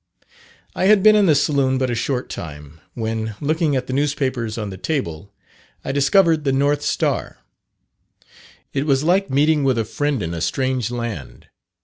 I had been in the saloon but a short time, when, looking at the newspapers on the table, I discovered the North Star. It was like meeting with a friend in a strange land.